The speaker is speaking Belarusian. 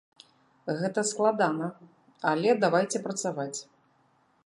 Гэта складана, але давайце працаваць.